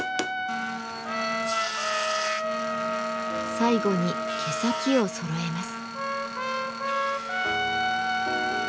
最後に毛先を揃えます。